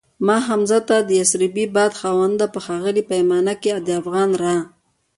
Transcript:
ما حمزه ته يسربی باده خاونده په ښاغلي پیمانه کي دافغان را